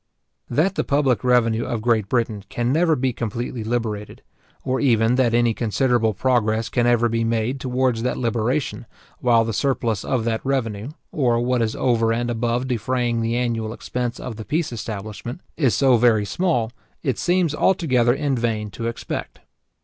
That the public revenue of Great Britain can never be completely liberated, or even that any considerable progress can ever be made towards that liberation, while the surplus of that revenue, or what is over and above defraying the annual expense of the peace establishment, is so very small, it seems altogether in vain to expect.